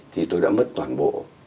thì tôi đã mất toàn bộ